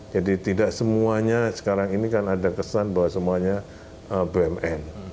jadi tidak semuanya sekarang ini kan ada kesan bahwa semuanya bumn